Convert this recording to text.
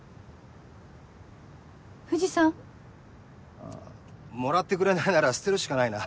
あぁもらってくれないなら捨てるしかないな。